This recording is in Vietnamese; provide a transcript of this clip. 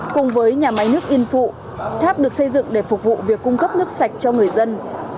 cùng với nhà máy nước yên phụ tháp được xây dựng để phục vụ việc cung cấp nước sạch cho người dân